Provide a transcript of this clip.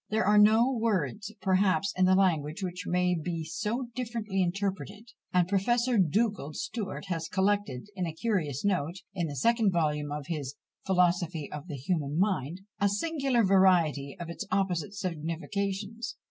There are no words, perhaps, in the language which may be so differently interpreted; and Professor Dugald Stewart has collected, in a curious note in the second volume of his "Philosophy of the Human Mind," a singular variety of its opposite significations.